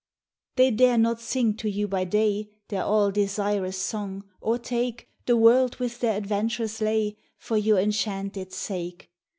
They dare not sing to you by day Their all desirous song, or take The world with their adventurous lay For your enchanted sake.